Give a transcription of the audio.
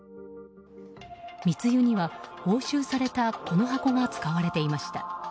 密輸には押収されたこの箱が使われていました。